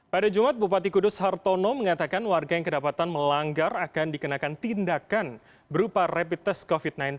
pada jumat bupati kudus hartono mengatakan warga yang kedapatan melanggar akan dikenakan tindakan berupa rapid test covid sembilan belas